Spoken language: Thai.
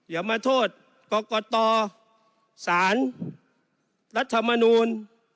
อย่ามาโทษกรกตสารรัฐมนูล